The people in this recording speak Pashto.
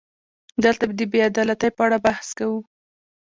دلته د بې عدالتۍ په اړه بحث کوو.